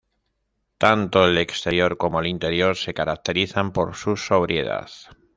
Tanto el exterior como el interior se caracterizan por su sobriedad.